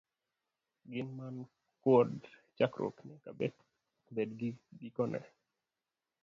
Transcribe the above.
Gin man kod chakruok nyaka bed gi gikone.